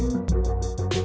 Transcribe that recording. berarti kita balik geibel